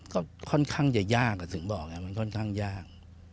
ก็ค่อนข้างจะยากแต่ถึงบอกไงมันค่อนข้างยาก